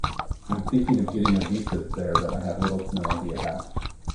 I'm thinking of getting a visa there but I have little to no idea how.